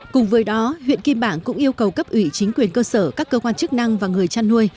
cùng với đó huyện kim bảng cũng yêu cầu cấp ủy chính quyền cơ sở các cơ quan chức năng và người chăn nuôi